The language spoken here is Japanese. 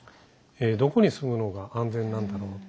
どこに住むのが安全なんだろうと。